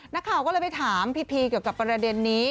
นักข่าวก็เลยไปถามพี่พีเกี่ยวกับประเด็นนี้